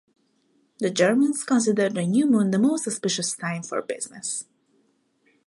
The Germans considered the new moon the most auspicious time for business.